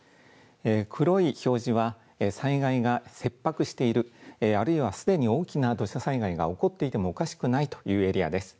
黒い表示は災害が切迫している、あるいはすでに大きな土砂災害が起こっていてもおかしくないというエリアです。